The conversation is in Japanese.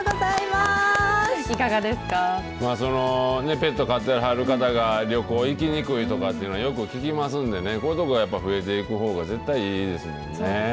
ペット飼ってはる方が旅行行きにくいとかっていうのはよく聞きますんでね、こういう所やっぱ増えていくほうが絶対いいですもんね。